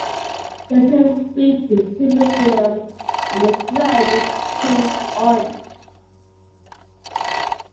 There is a weak supercilium, and the throat is tinged orange.